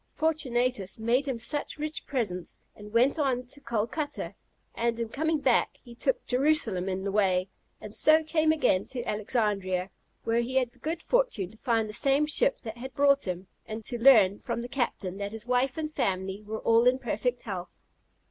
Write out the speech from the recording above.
Fortunatus made him some rich presents, and went on to Calcutta; and, in coming back, he took Jerusalem in the way, and so came again to Alexandria, where he had the good fortune to find the same ship that had brought him, and to learn from the captain that his wife and family were all in perfect health.